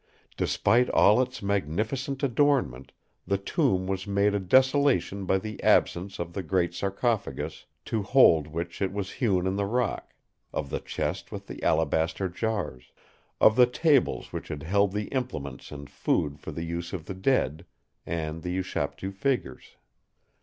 Despite all its magnificent adornment, the tomb was made a desolation by the absence of the great sarcophagus, to hold which it was hewn in the rock; of the chest with the alabaster jars; of the tables which had held the implements and food for the use of the dead, and the ushaptiu figures.